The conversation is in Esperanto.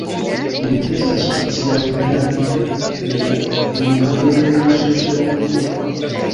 Li estas oficiale rigardita de la Romkatolika Eklezio kiel kontraŭpapo.